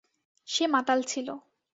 সে মাতাল ছিল।